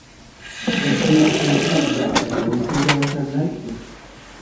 Grezierazko hitz bat da eta ohitura esan nahi du.